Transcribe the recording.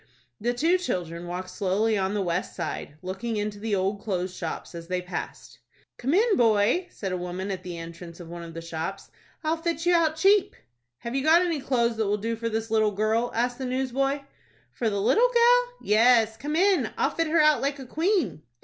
The two children walked slowly on the west side, looking into the old clothes shops, as they passed. "Come in, boy," said a woman at the entrance of one of the shops. "I'll fit you out cheap." "Have you got any clothes that will do for this little girl?" asked the newsboy. "For the little gal? Yes, come in; I'll fit her out like a queen."